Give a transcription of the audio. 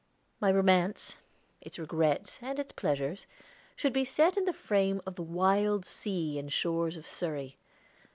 My romance, its regrets, and its pleasures, should be set in the frame of the wild sea and shores of Surrey.